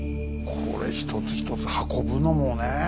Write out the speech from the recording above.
これ一つ一つ運ぶのもねえ